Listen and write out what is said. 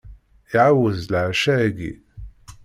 Iɛawez leɛca-ayyi.